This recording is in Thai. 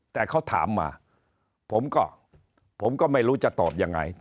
แต่เขาถามมาผมก็ผมก็ไม่รู้จะตอบยังไง